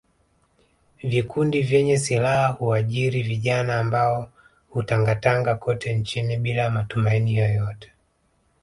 Vikundi vyenye silaha huajiri vijana ambao hutangatanga kote nchini bila matumaini yoyote